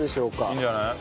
いいんじゃない？